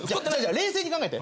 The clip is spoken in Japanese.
冷静に考えて。